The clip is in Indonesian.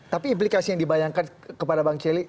tapi implikasi yang dibayangkan kepada bang celi